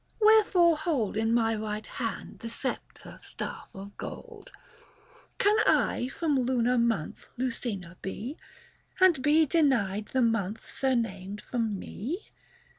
wherefore hold In my right hand the sceptre staff of gold ? Can I from lunar months Lucina be, 45 And be. denied the month surnamed from me